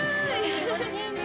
気持ちいいね。